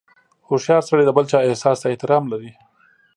• هوښیار سړی د بل چا احساس ته احترام لري.